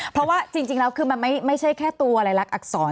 เพราะว่าจริงแล้วคือมันไม่ใช่แค่ตัวลายลักษณอักษร